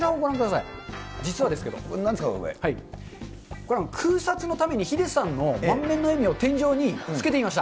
これ、空撮のためにヒデさんの満面の笑みを天井につけてみました。